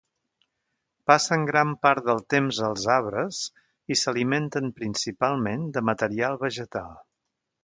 Passen gran part del temps als arbres i s'alimenten principalment de material vegetal.